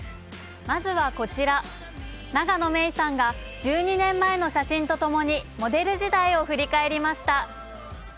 まずはこちら、永野芽郁さんが１２年前の写真とともにモデル時代を振り返りました。